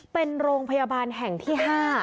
เป็นโรงพยาบาลแห่งที่๕